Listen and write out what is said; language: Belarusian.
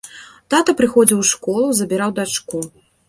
Тата прыходзіў у школу, забіраў дачку.